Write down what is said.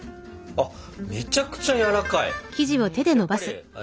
あっめちゃくちゃやわらかい！ね。